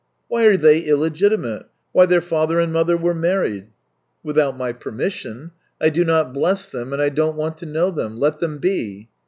" Why are they illegitimate ? Why, their father and mother were married." " Without my permission. I did not bless them, and I don't want to know them. Let them be."